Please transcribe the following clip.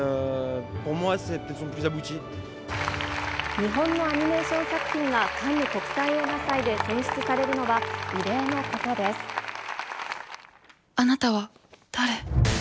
日本のアニメーション作品がカンヌ国際映画祭で選出されるのは異あなたは誰？